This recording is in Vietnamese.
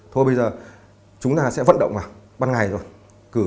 thôi bây giờ chúng ta sẽ vẫn chạy thoát